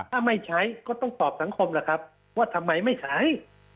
ถ้าไม่ใช้ก็ต้องตอบสังคมล่ะครับว่าทำไมไม่ใช้